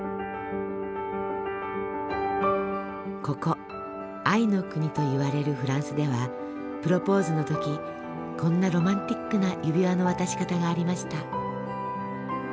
ここ愛の国といわれるフランスではプロポーズの時こんなロマンチックな指輪の渡し方がありました。